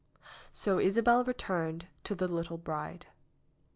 So Isabel returned to the little bride.